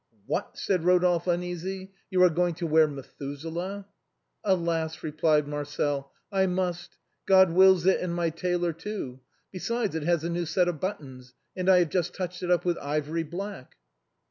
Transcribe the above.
" What !" said Rodolphe uneasy, " you are going to wear ' Methuselah ?'" "Alas !" replied Marcel, " I must, God wills it and my tailor too; besides it has a new set of buttons and I have just touched it up with ivory black."